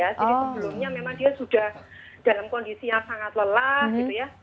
jadi sebelumnya memang dia sudah dalam kondisi yang sangat lelah gitu ya